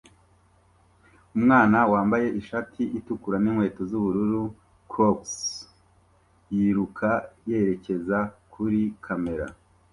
Umwana wambaye ishati itukura n'inkweto z'ubururu Crocs yiruka yerekeza kuri kamera